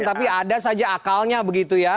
tapi ada saja akalnya begitu ya